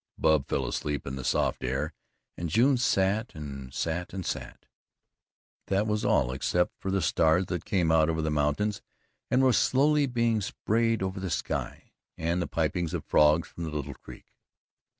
Bub fell asleep in the soft air, and June sat and sat and sat. That was all except for the stars that came out over the mountains and were slowly being sprayed over the sky, and the pipings of frogs from the little creek.